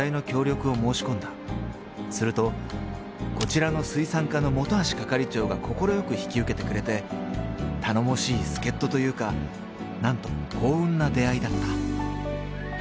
［するとこちらの水産課の本橋係長が快く引き受けてくれて頼もしい助っ人というか何とも幸運な出会いだった］